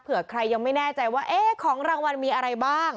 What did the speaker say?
ใครยังไม่แน่ใจว่าเอ๊ะของรางวัลมีอะไรบ้าง